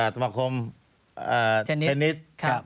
สมาคมเทนนิส